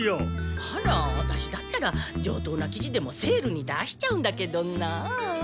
あらワタシだったら上等な生地でもセールに出しちゃうんだけどなあ。